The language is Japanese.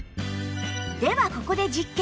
ではここで実験。